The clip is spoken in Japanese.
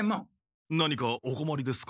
何かおこまりですか？